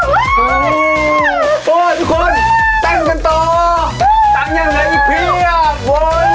ว้าวทุกคนแต่งกันต่อตั๋งยังไหลอีกเพียง